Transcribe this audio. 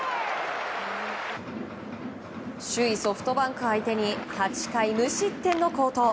首位ソフトバンクを相手に８回無失点の好投。